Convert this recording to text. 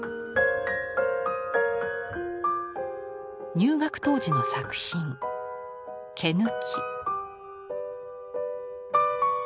入学当時の作品「毛抜」。